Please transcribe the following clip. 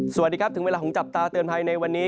สวัสดีครับถึงเวลาของจับตาเตือนภัยในวันนี้